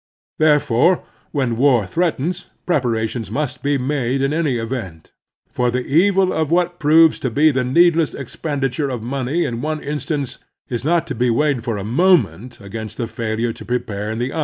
Therefore, when war threatens, prepara tions must be made in any event ; for the evil of what proves to be the needless expenditure of money in one instance is not to be weighed for a moment against the failure to prepare in the other.